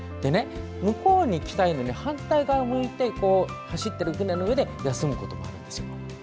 向こうに行きたいのに反対側に走ってる船の上で休むこともあるんです。